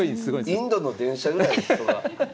インドの電車ぐらい人が。